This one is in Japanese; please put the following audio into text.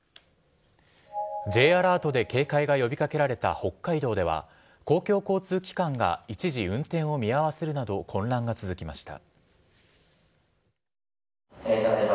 Ｊアラートで警戒が呼び掛けられた北海道では公共交通機関が一時運転を見合わせるなど混乱が続きました。